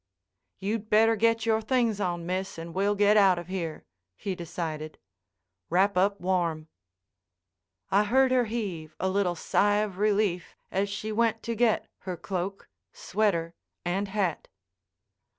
"You'd better get your things on, Miss, and we'll get out of here," he decided. "Wrap up warm." I heard her heave a little sigh of relief as she went to get her cloak, sweater, and hat.